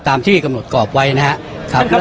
ตามที่กำหนดกรอบไว้นะครับ